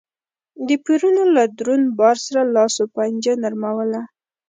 د پورونو له دروند بار سره لاس و پنجه نرموله